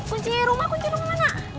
kunci rumah kunci rumah mana